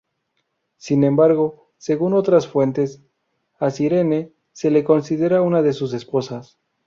Sin embargo, según otras fuentes, a Cirene se le considera una de sus esposas.